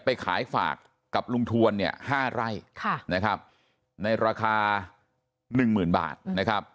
ไปขายฝากกับลุงทวนเนี่ย๕ไร่นะครับในราคา๑๐๐๐บาทนะครับ